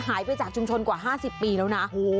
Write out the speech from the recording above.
หายไปจากชุมชนกว่า๕๐ปีแล้วนะ